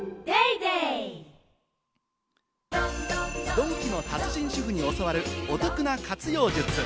ドンキの達人主婦に教わるお得な活用術。